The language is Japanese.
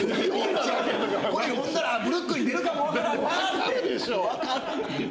これ読んだらブルックリン出るかも分からんなって。